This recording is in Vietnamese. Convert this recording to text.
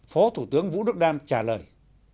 phó thủ tướng vũ đức đam trả lời